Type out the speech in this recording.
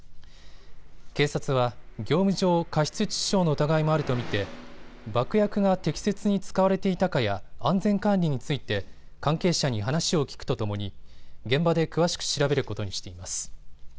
警察は業務上過失致死傷の疑いもあると見て爆薬が適切に使われていたかや安全管理について関係者に話を聞くとともに現場で詳しく調べることにしています。